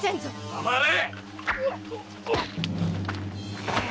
黙れ！